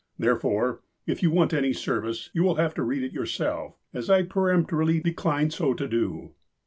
Therefore, if you want any service, you will have to read it yourself, as I peremptorily decline so to do.